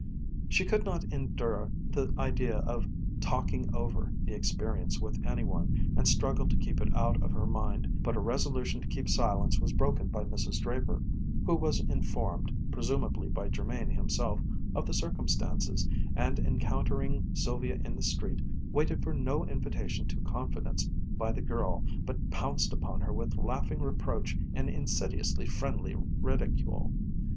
She could not endure the idea of "talking over" the experience with any one, and struggled to keep it out of her mind, but her resolution to keep silence was broken by Mrs. Draper, who was informed, presumably by Jermain himself, of the circumstances, and encountering Sylvia in the street waited for no invitation to confidence by the girl, but pounced upon her with laughing reproach and insidiously friendly ridicule.